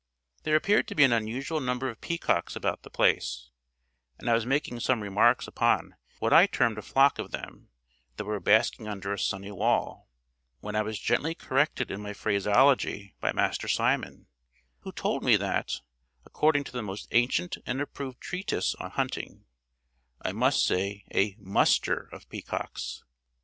There appeared to be an unusual number of peacocks about the place, and I was making some remarks upon what I termed a flock of them, that were basking under a sunny wall, when I was gently corrected in my phraseology by Master Simon, who told me that, according to the most ancient and approved treatise on hunting, I must say a muster of peacocks.